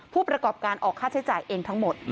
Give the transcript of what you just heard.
ผู้ประกอบการออกค่าใช้จ่ายเองทั้งหมด